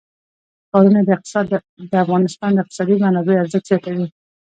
ښارونه د افغانستان د اقتصادي منابعو ارزښت زیاتوي.